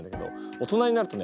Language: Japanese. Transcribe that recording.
大人になるとね